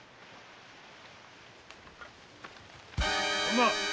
女！